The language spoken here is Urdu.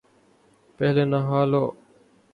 پہلے نہا لو ـ